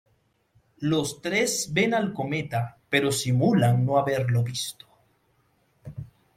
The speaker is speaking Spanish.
Los tres ven al cometa, pero simulan no haberlo visto.